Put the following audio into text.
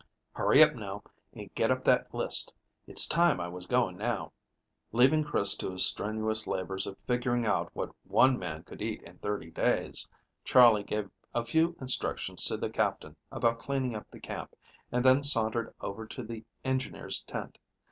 Hurry up, now, and get up that list. It's time I was going now." Leaving Chris to his strenuous labors of figuring out what one man could eat in thirty days, Charley gave a few instructions to the Captain about cleaning up the camp, and then sauntered over to the engineers' tent.